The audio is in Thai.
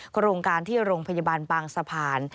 โครงการที่โรงพยาบาลบางสะพาน